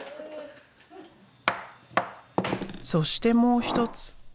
そしてもう一つ。